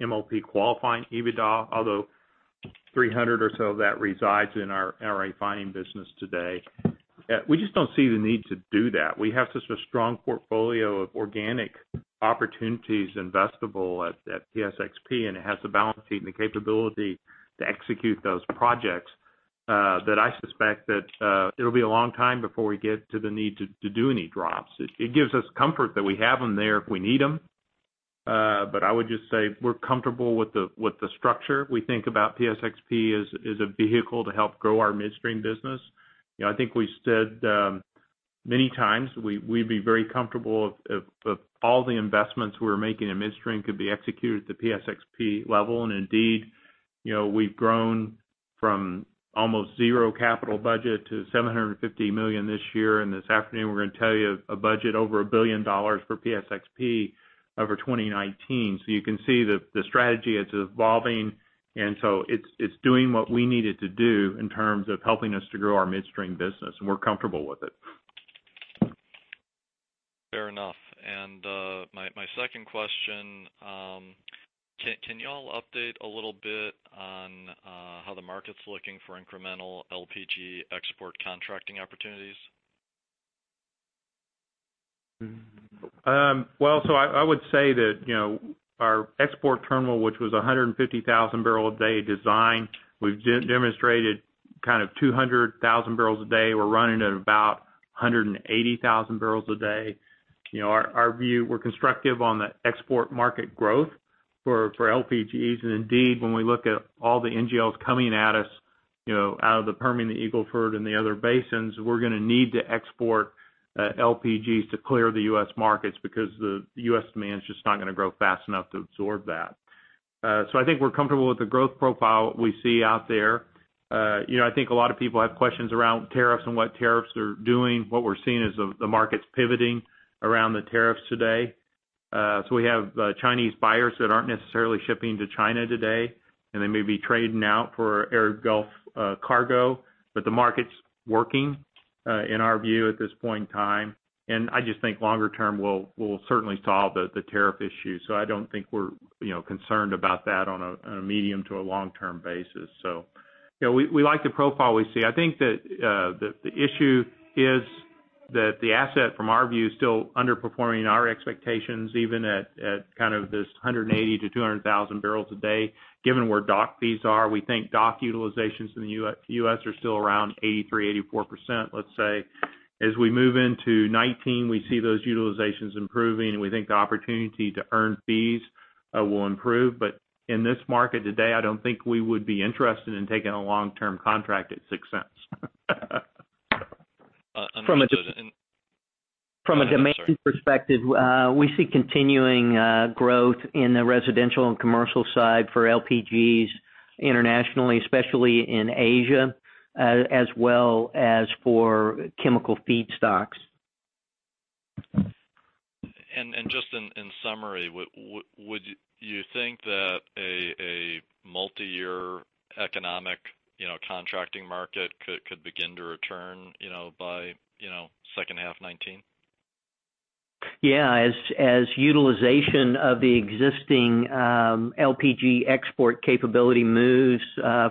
MLP-qualifying EBITDA, although 300 or so of that resides in our refining business today. We just don't see the need to do that. We have such a strong portfolio of organic opportunities investable at PSXP, and it has the balance sheet and the capability to execute those projects, that I suspect that it'll be a long time before we get to the need to do any drops. It gives us comfort that we have them there if we need them. I would just say we're comfortable with the structure. We think about PSXP as a vehicle to help grow our midstream business. I think we said many times we'd be very comfortable if all the investments we were making in midstream could be executed at the PSXP level. Indeed, we've grown from almost zero capital budget to $750 million this year. This afternoon we're going to tell you a budget over $1 billion for PSXP over 2019. You can see the strategy, it's evolving, it's doing what we need it to do in terms of helping us to grow our midstream business, we're comfortable with it. Fair enough. My second question, can you all update a little bit on how the market's looking for incremental LPG export contracting opportunities? I would say that our export terminal, which was 150,000 barrels a day design, we've demonstrated kind of 200,000 barrels a day. We're running at about 180,000 barrels a day. Our view, we're constructive on the export market growth for LPGs. Indeed, when we look at all the NGLs coming at us out of the Permian, the Eagle Ford, and the other basins, we're going to need to export LPGs to clear the U.S. markets because the U.S. demand's just not going to grow fast enough to absorb that. I think we're comfortable with the growth profile we see out there. I think a lot of people have questions around tariffs and what tariffs are doing. What we're seeing is the market's pivoting around the tariffs today. We have Chinese buyers that aren't necessarily shipping to China today, and they may be trading out for Arab Gulf cargo. The market's working, in our view, at this point in time. I just think longer term will certainly solve the tariff issue. I don't think we're concerned about that on a medium to a long-term basis. We like the profile we see. I think that the issue is that the asset, from our view, is still underperforming our expectations, even at kind of this 180,000-200,000 barrels a day. Given where dock fees are, we think dock utilizations in the U.S. are still around 83%-84%, let's say. As we move into 2019, we see those utilizations improving, and we think the opportunity to earn fees will improve. In this market today, I don't think we would be interested in taking a long-term contract at $0.06. Understood. From a demand perspective, we see continuing growth in the residential and commercial side for LPGs internationally, especially in Asia, as well as for chemical feedstocks. Just in summary, would you think that a multi-year economic contracting market could begin to return by second half 2019? As utilization of the existing LPG export capability moves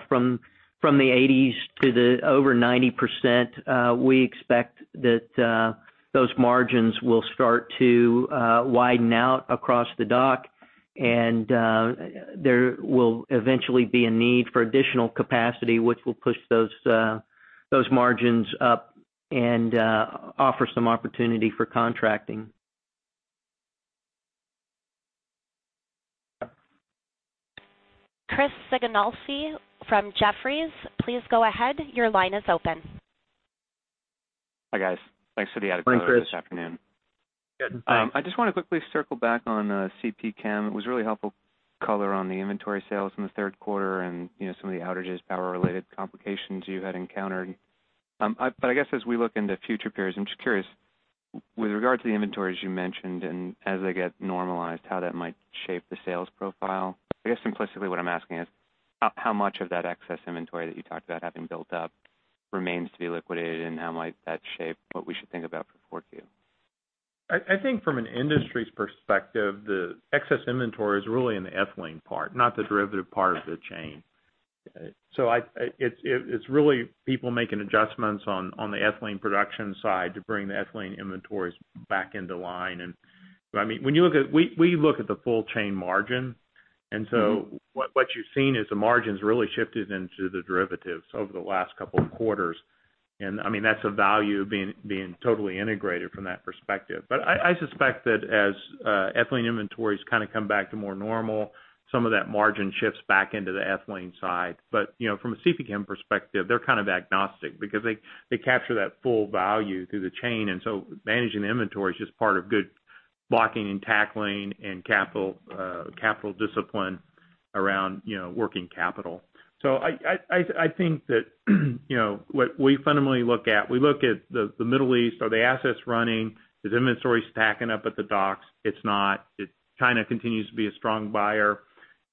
from the 80% to the over 90%, we expect that those margins will start to widen out across the dock, and there will eventually be a need for additional capacity, which will push those margins up and offer some opportunity for contracting. Chris Sighinolfi from Jefferies, please go ahead. Your line is open. Hi, guys. Thanks for this afternoon. Good. Thanks. I just want to quickly circle back on CPChem. It was really helpful color on the inventory sales in the third quarter and some of the outages, power-related complications you had encountered. I guess as we look into future periods, I'm just curious, with regard to the inventories you mentioned, and as they get normalized, how that might shape the sales profile? I guess implicitly what I'm asking is how much of that excess inventory that you talked about having built up remains to be liquidated, and how might that shape what we should think about for 4Q? I think from an industry's perspective, the excess inventory is really in the ethylene part, not the derivative part of the chain. It's really people making adjustments on the ethylene production side to bring the ethylene inventories back into line. We look at the full chain margin. What you've seen is the margins really shifted into the derivatives over the last couple of quarters. That's the value of being totally integrated from that perspective. I suspect that as ethylene inventories come back to more normal, some of that margin shifts back into the ethylene side. From a CPChem perspective, they're kind of agnostic because they capture that full value through the chain. Managing the inventory is just part of good blocking and tackling and capital discipline around working capital. I think that what we fundamentally look at, we look at the Middle East. Are the assets running? Is inventory stacking up at the docks? It's not. China continues to be a strong buyer,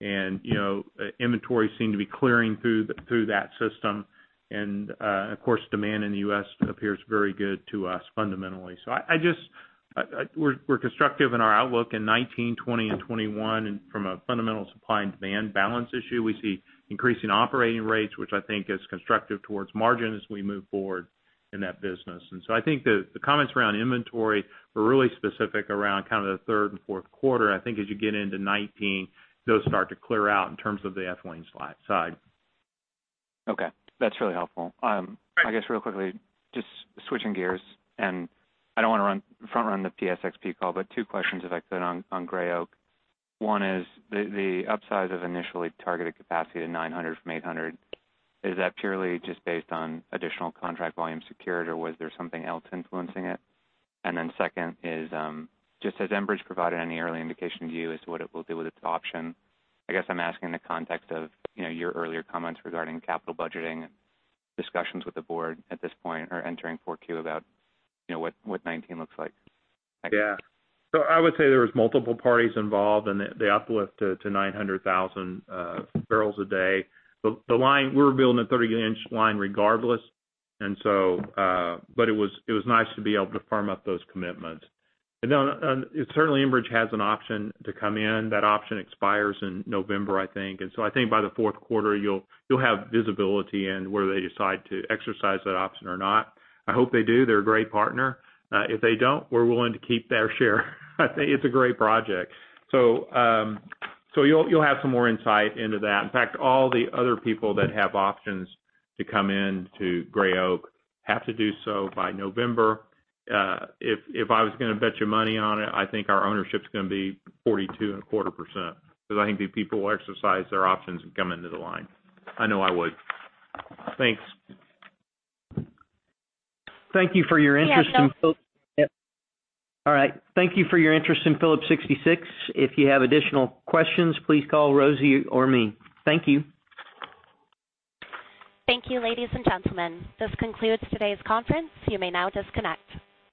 and inventories seem to be clearing through that system. Of course, demand in the U.S. appears very good to us fundamentally. We're constructive in our outlook in 2019, 2020, and 2021. From a fundamental supply and demand balance issue, we see increasing operating rates, which I think is constructive towards margin as we move forward in that business. I think the comments around inventory were really specific around the third and fourth quarter. I think as you get into 2019, those start to clear out in terms of the ethylene side. Okay. That's really helpful. Great. I guess real quickly, just switching gears, I don't want to front-run the PSXP call, but two questions, if I could, on Gray Oak. One is the upsize of initially targeted capacity to 900 from 800. Is that purely just based on additional contract volume secured, or was there something else influencing it? Second is, just has Enbridge provided any early indication to you as to what it will do with its option? I guess I'm asking in the context of your earlier comments regarding capital budgeting and discussions with the board at this point or entering four Q about what 2019 looks like. Yeah. I would say there were multiple parties involved in the uplift to 900,000 barrels a day. We were building a 30-inch line regardless. It was nice to be able to firm up those commitments. Certainly Enbridge has an option to come in. That option expires in November, I think. I think by the fourth quarter, you'll have visibility in whether they decide to exercise that option or not. I hope they do. They're a great partner. If they don't, we're willing to keep their share. It's a great project. You'll have some more insight into that. In fact, all the other people that have options to come in to Gray Oak have to do so by November. If I was going to bet you money on it, I think our ownership's going to be 42.25%, because I think these people will exercise their options and come into the line. I know I would. Thanks. Thank you for your interest in- Yeah, Phil. All right. Thank you for your interest in Phillips 66. If you have additional questions, please call Rosie or me. Thank you. Thank you, ladies and gentlemen. This concludes today's conference. You may now disconnect.